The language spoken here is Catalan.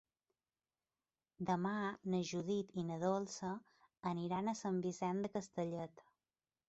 Demà na Judit i na Dolça aniran a Sant Vicenç de Castellet.